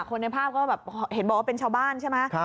ในภาพก็แบบเห็นบอกว่าเป็นชาวบ้านใช่ไหม